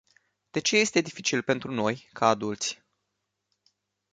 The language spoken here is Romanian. De ce este dificil pentru noi, ca adulți?